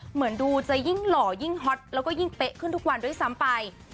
เหมือนดูจะยิ่งหล่อยิ่งฮอตแล้วก็ยิ่งเป๊ะขึ้นทุกวันด้วยซ้ำไป